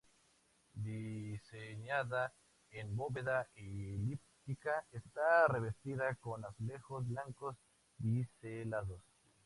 Diseñada en bóveda elíptica, está revestida con azulejos blancos biselados.